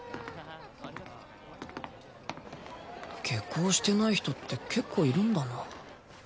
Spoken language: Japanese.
下校してない人って結構いるんだな。